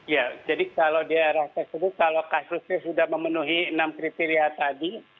ya jadi kalau daerah tersebut kalau kasusnya sudah memenuhi enam kriteria tadi